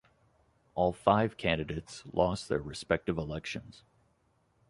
All five candidates lost their respective elections.